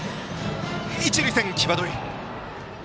一塁線、際どい。